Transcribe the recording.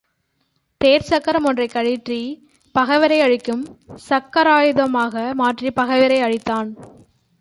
தேர்ச்சக்கரம் ஒன்றைக் கழற்றிப் பகைவரை அழிக்கும் சக்கராயுதமாக மாற்றிப் பகைவரை அழித்தான்.